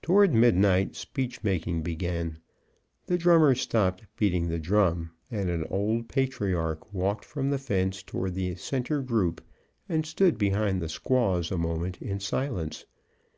Toward midnight speech making began. The drummers stopped beating the drum, and an old patriarch walked from the fence toward the center group, and stood behind the squaws a moment in silence.